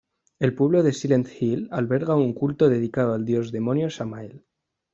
El pueblo de Silent Hill alberga un culto dedicado al dios-demonio Samael.